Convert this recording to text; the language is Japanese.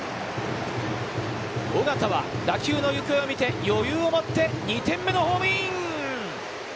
緒方は打球の行方を見て余裕を持って２点目のホームイン。